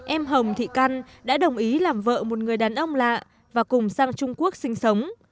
em hồng thị căn đã đồng ý làm vợ một người đàn ông lạ và cùng sang trung quốc sinh sống